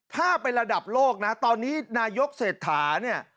ถ้าเป็นระดับโลกนะตอนนี้นายกเศรษฐาเนี่ย